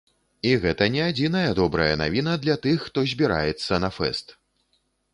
І гэта не адзіная добрая навіна для тых, хто збіраецца на фэст!